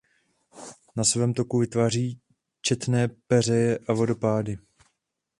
Na svém toku vytváří četné peřeje a vodopády.